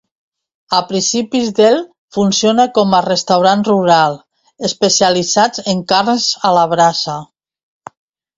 A principis del funciona com a restaurant rural, especialitzat en carns a la brasa.